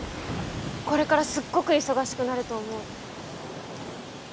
これからすっごく忙しくなると思う。